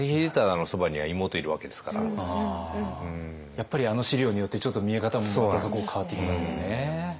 やっぱりあの史料によってちょっと見え方もまた変わってきますよね。